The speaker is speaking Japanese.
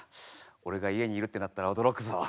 俺が家にいるってなったら驚くぞ。